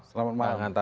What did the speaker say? selamat malam bang hanta